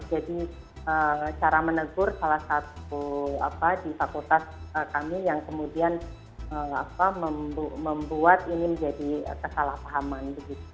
jadi cara menegur salah satu di fakultas kami yang kemudian membuat ini menjadi kesalahpahaman